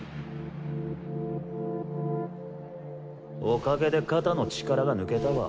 おかげで肩の力が抜けたわ。